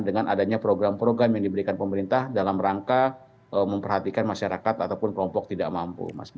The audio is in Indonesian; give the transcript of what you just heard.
dengan adanya program program yang diberikan pemerintah dalam rangka memperhatikan masyarakat ataupun kelompok tidak mampu